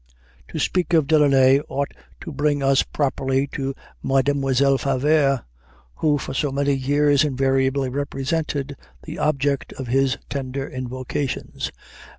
To speak of Delaunay ought to bring us properly to Mademoiselle Favart, who for so many years invariably represented the object of his tender invocations.